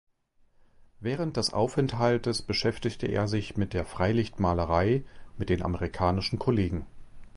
Während des Aufenthaltes beschäftigte er sich mit der Freilichtmalerei mit den amerikanischen Kollegen.